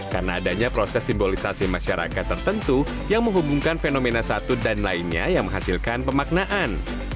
karena adanya proses simbolisasi masyarakat tertentu yang menghubungkan fenomena satu dan lainnya yang menghasilkan pemaknaan